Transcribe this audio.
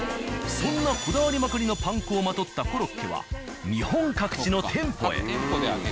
そんなこだわりまくりのパン粉をまとったコロッケは日本各地の店舗へ。